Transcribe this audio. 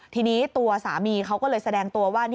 ทีนี้ตัวสามีเขาก็เลยแสดงตัวว่า